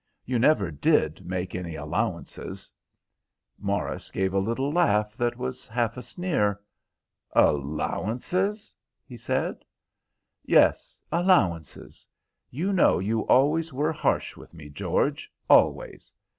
You never did make any allowances." Morris gave a little laugh that was half a sneer. "Allowances?" he said. "Yes, allowances. You know you always were harsh with me, George, always."